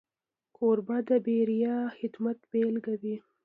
کوربه د بېریا خدمت بيلګه وي.